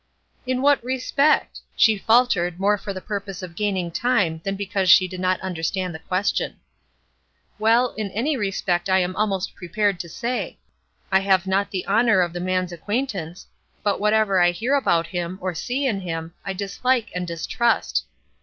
"In what respect?" she faltered, more for the purpose of gaining time than because she did not understand the question. "Well, in any respect I am almost prepared to say. I have not the honor of the man's acquaintance; but whatever I hear about him, or see in him, I dislike and distrust.